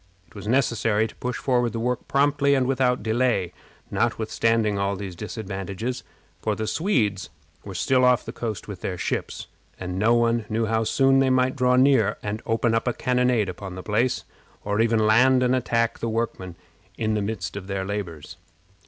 It was necessary to push forward the work promptly and without any delay, notwithstanding all these disadvantages, for the Swedes were still off the coast with their ships, and no one knew how soon they might draw near and open a cannonade upon the place, or even land and attack the workmen in the midst of their labors.